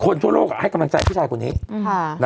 คนทั่วโลกอ่ะให้กำลังใจที่ชายคนนี้อืมค่ะ